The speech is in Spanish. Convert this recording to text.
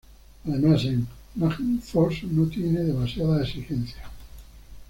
Además en "Magnum Force" no tiene demasiadas exigencias".